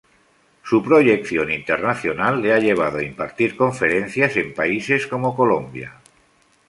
Su proyección internacional le ha llevado a impartir conferencias en países como Colombia.